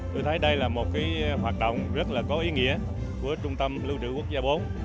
tôi thấy đây là một hoạt động rất là có ý nghĩa của trung tâm lưu trữ quốc gia bốn